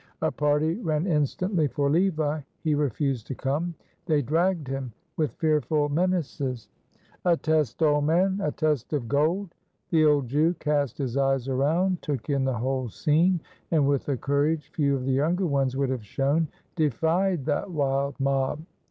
A party ran instantly for Levi. He refused to come. They dragged him with fearful menaces. "A test, old man; a test of gold!" The old Jew cast his eyes around, took in the whole scene, and with a courage few of the younger ones would have shown, defied that wild mob.